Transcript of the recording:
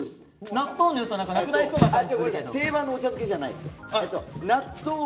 納豆のよさなくなりそうな感じするけど。